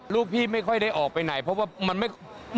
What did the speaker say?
ลูกพี่ไม่ค่อยได้ออกไปไหนเพราะว่ามันไม่